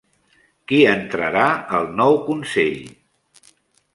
Qui entrarà al nou Consell?